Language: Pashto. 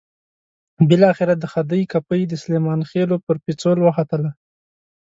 بالاخره د خدۍ کپۍ د سلیمان خېلو پر پېڅول وختله.